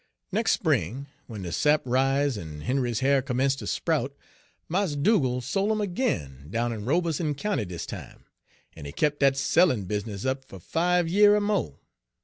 "Nex' spring, w'en de sap ris en Henry's ha'r commence' ter sprout, Mars Dugal' sole 'im ag'in, down in Robeson County dis time; en he kep' dat sellin' business up fer five year er mo'.